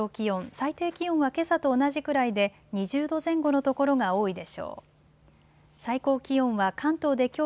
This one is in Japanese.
最低気温はけさと同じくらいで２０度前後の所が多いでしょう。